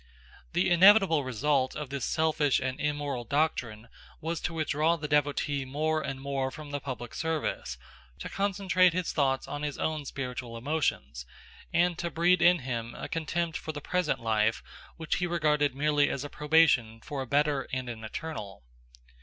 The inevitable result of this selfish and immoral doctrine was to withdraw the devotee more and more from the public service, to concentrate his thoughts on his own spiritual emotions, and to breed in him a contempt for the present life which he regarded merely as a probation for a better and an eternal.